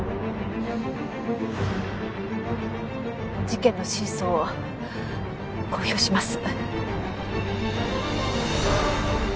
事件の真相を公表します。